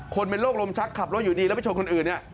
คนเป็นโรคลมชักขับรถอยู่ดีแล้วไปชนคนอื่นเนี่ย